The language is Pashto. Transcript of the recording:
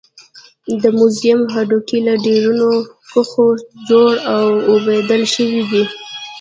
د موزیم هډوکي له ډبرینو خښتو جوړ او اوبدل شوي دي.